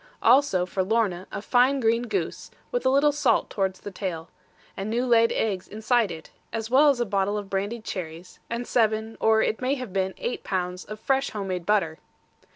Also, for Lorna, a fine green goose, with a little salt towards the tail, and new laid eggs inside it, as well as a bottle of brandied cherries, and seven, or it may have been eight pounds of fresh homemade butter.